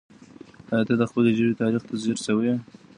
آیا ته د خپلې ژبې تاریخ ته ځیر سوی یې؟